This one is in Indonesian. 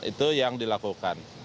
itu yang dilakukan